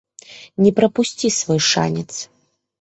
Не прапусці свой шанец!